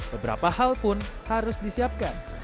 beberapa hal pun harus disiapkan